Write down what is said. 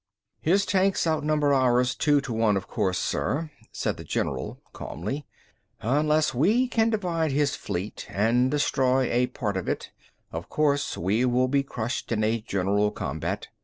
"His tanks outnumber ours two to one, of course, sir," said the general calmly. "Unless we can divide his fleet and destroy a part of it, of course we will be crushed in a general combat.